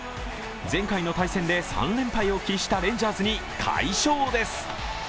前回の対戦で３連敗を喫したレンジャーズに快勝です。